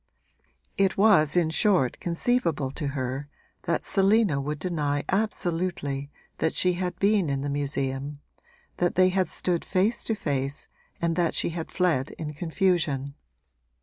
It was in short conceivable to her that Selina would deny absolutely that she had been in the museum, that they had stood face to face and that she had fled in confusion.